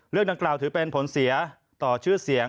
เรื่องดังกล่าวถือเป็นผลเสียต่อชื่อเสียง